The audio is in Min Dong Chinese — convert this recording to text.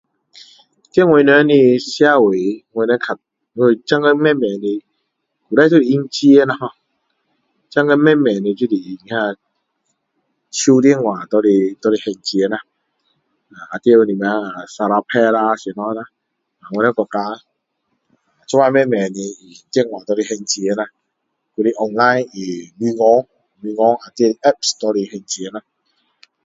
这我们的社会我们较我们现在慢慢的以前就是用钱啦 ho 现在就是慢慢的手电话用来还钱就是啊 Sarawak Pay 啦拿来还钱啦用 online 啦现在就是用银行用 apps 啦拿来还钱啦